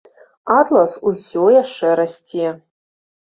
Атлас усё яшчэ расце.